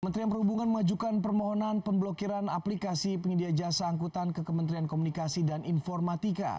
kementerian perhubungan mengajukan permohonan pemblokiran aplikasi penyedia jasa angkutan ke kementerian komunikasi dan informatika